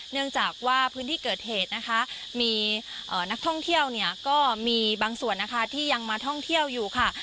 เนื่องจากว่าพื้นที่เกิดเหตุนะคะมีนักท่องเที่ยวเนี่ยก็มีบางส่วนนะคะที่ยังมาท่องเที่ยวอยู่ค่ะ